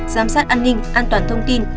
giám sát an ninh an toàn thông tin